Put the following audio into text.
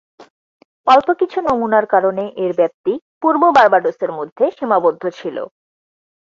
অল্প কিছু নমুনার কারণে এর ব্যাপ্তি পূর্ব বার্বাডোসের মধ্যে সীমাবদ্ধ ছিল।